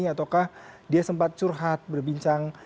ataukah dia sempat curhat berbincang